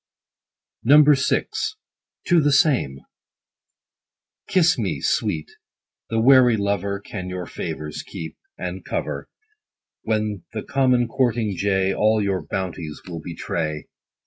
VI. — TO THE SAME. Kiss me, sweet : the wary lover Can your favors keep, and cover, When the common courting jay All your bounties will betray.